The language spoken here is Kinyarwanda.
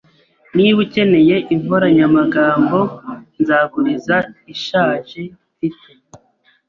Niba ukeneye inkoranyamagambo, nzaguriza ishaje mfite.